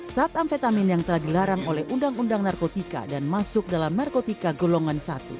sat amfetamin yang telah dilarang oleh undang undang narkotika dan masuk dalam narkotika golongan satu